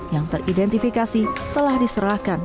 yang teridentifikasi telah diserahkan